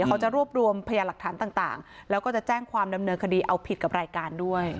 เขาจะรวบรวมพยาหลักฐานต่างแล้วก็จะแจ้งความดำเนินคดีเอาผิดกับรายการด้วย